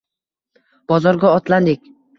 Bozorga otlandik...